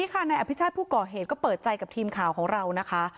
นายอภิชาติผู้ก่อเหตุก็เปิดใจกับทีมข่าวของเรานะคะ